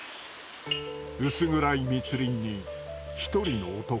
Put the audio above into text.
薄暗い密林に一人の男。